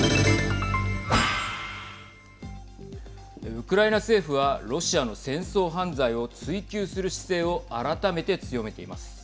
ウクライナ政府はロシアの戦争犯罪を追及する姿勢を改めて強めています。